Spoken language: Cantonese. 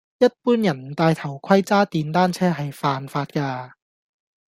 一般人唔戴頭盔揸電單車係犯法㗎